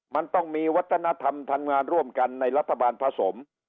มันต้องมีวัฒนธรรมทำงานร่วมกันในรัฐบาลผสม